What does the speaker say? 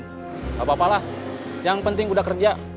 gak apa apalah yang penting udah kerja